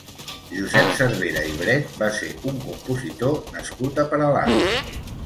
Josep Cervera i Bret va ser un compositor nascut a Peralada.